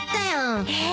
えっ！？